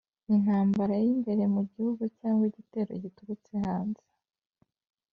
intambara y'imbere mu gihugu cyangwa igitero giturutse hanze?